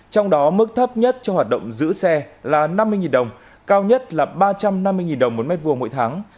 trong đó mức thấp nhất cho hoạt động giữ xe là năm mươi đồng cao nhất là ba trăm năm mươi đồng một mét vuông mỗi tháng